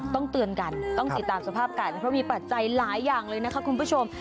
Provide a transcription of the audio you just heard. เตือนกันต้องติดตามสภาพกันเพราะมีปัจจัยหลายอย่างเลยนะคะคุณผู้ชม